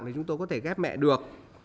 thì chúng tôi có thể ghép mẹ được